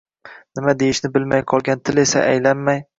nima deyishni bilmay qolgan til esa aylanmay